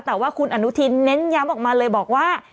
แต่ว่าคุณอนุทินเน้นย้ำออกมาเลยบอกว่า